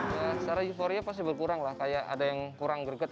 secara euforia pasti berkurang lah kayak ada yang kurang greget